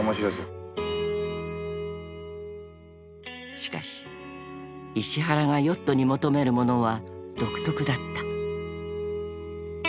［しかし石原がヨットに求めるものは独特だった］